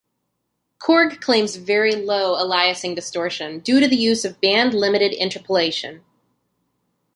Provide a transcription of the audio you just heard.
Korg claims very low aliasing distortion, due to the use of band limited interpolation.